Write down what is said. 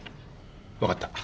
分かった。